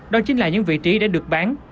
đó chính là những vị trí đã được bán